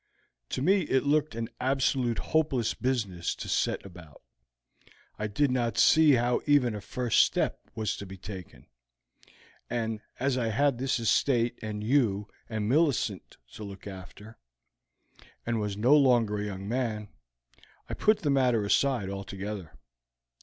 To me it looked an absolutely hopeless business to set about. I did not see how even a first step was to be taken, and as I had this estate and you and Millicent to look after, and was no longer a young man, I put the matter aside altogether.